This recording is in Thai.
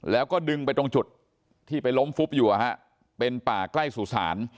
แล้วก็ดึงไปตรงจุดที่ไปล้มฟุบอยู่เป็นป่าใกล้สุสาน